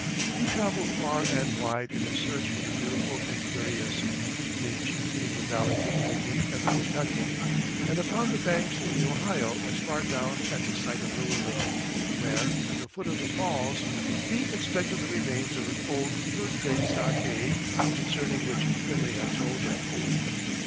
He traveled far and wide in his search for the beautiful and curious, being chiefly in the valleys of the Licking and the Kentucky, and upon the banks of the Ohio as far down as the site of Louisville, where, at the foot of the falls, he inspected the remains of an old fur trade stockade concerning which Finley had told him.